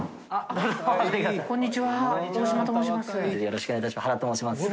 よろしくお願いします。